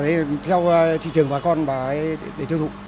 thì theo thị trường bà con bà ấy để tiêu thụ